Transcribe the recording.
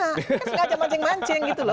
dia kan sengaja mancing mancing gitu loh